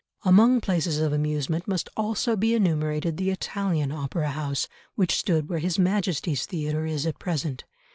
Among places of amusement must also be enumerated the Italian Opera House, which stood where His Majesty's Theatre is at present.